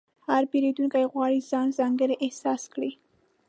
هر پیرودونکی غواړي ځان ځانګړی احساس کړي.